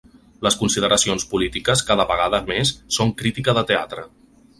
Les consideracions polítiques cada vegada més són crítica de teatre.